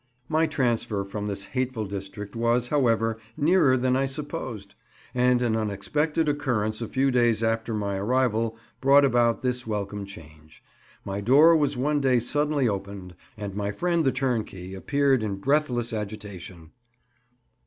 My transfer from this hateful district was, however, nearer than I supposed, and an unexpected occurrence a few days after my arrival brought about this welcome change. My door was one day suddenly opened, and my friend the turnkey appeared in breathless agitation.